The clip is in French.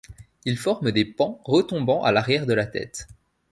Il forme des pans retombant à l'arrière de la tête.